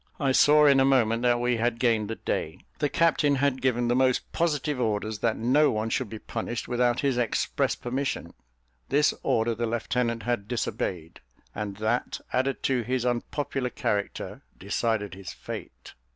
I saw in a moment that we had gained the day. The captain had given the most positive orders that no one should be punished without his express permission. This order the lieutenant had disobeyed, and that, added to his unpopular character, decided his fate.